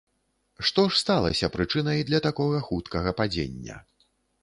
Што ж сталася прычынай для такога хуткага падзення?